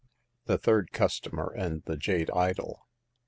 THE THIRD CUSTOMER AND THE JADE IDOL.